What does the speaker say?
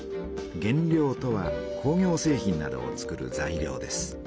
原料とは工業製品などをつくる材料です。